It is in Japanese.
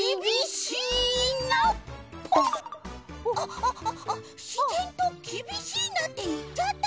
しぜんと「きびしいな」っていっちゃった。